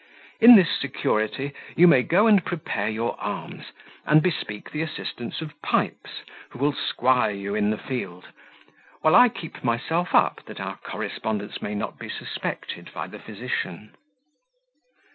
In this security, you may go and prepare your arms, and bespeak the assistance of Pipes, who will squire you in the field, while I keep myself up, that our correspondence may not be suspected by the physician."